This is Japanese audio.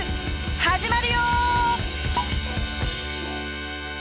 始まるよ！